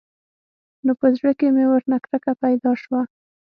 نو په زړه کښې مې ورنه کرکه پيدا سوه.